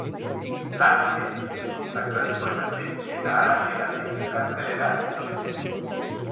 Lan horiek hizkuntza klasikoetatik eta arabieratik gaztelerara itzuli ziren.